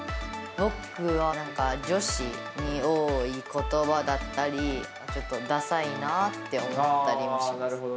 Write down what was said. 僕はなんか、女子に多いことばだったり、ちょっとださいなって思ったりもします。